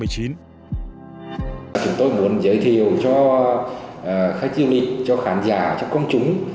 chúng tôi muốn giới thiệu cho khách du lịch cho khán giả cho công chúng